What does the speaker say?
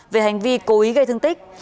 về hành vi cố ý gây thương tích